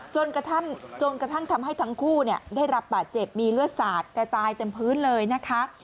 จนกระทั่งจนกระทั่งทำให้ทั้งคู่ได้รับบาดเจ็บมีเลือดสาดกระจายเต็มพื้นเลยนะคะ